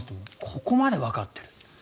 ここまでわかっている。